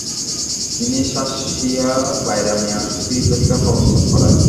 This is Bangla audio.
তিনি শামসিয়া-বাইরামিয়া সুফি তরিকা প্রবর্তন করেন।